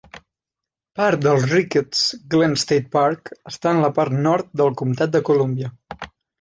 Part del Ricketts Glen State Park està en la part nord del comtat de Columbia.